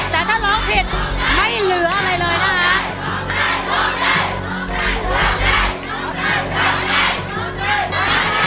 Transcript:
แต่ถ้าร้องผิดไม่เหลืออะไรเลยนะคะ